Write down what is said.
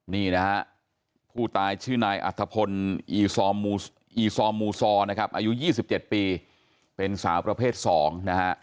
นี่นะครับผู้ตายชื่อนายอัทธพลอีซอมูซออายุ๒๗ปีเป็นสาวประเภทสอง